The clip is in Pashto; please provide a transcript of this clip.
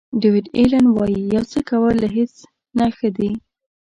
ډیویډ الین وایي یو څه کول له هیڅ نه ښه دي.